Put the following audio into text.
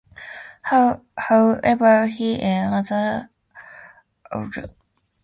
However, he and other authors have not since found this result.